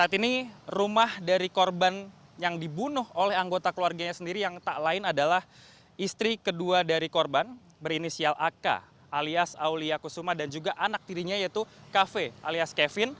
saat ini rumah dari korban yang dibunuh oleh anggota keluarganya sendiri yang tak lain adalah istri kedua dari korban berinisial ak alias aulia kusuma dan juga anak tirinya yaitu kafe alias kevin